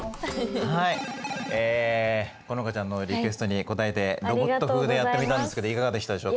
はいえ好花ちゃんのリクエストに応えてロボット風でやってみたんですけどいかがでしたでしょうか？